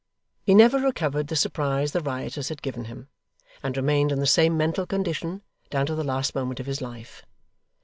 He never recovered the surprise the Rioters had given him, and remained in the same mental condition down to the last moment of his life.